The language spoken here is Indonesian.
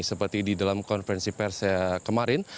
seperti di dalam konferensi pers kemarin